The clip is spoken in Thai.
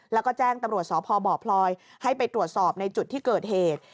แล้วก็แจ้งตำรวจสพบพลอยให้ไปตรวจสอบในจุดที่เกิดเหตุ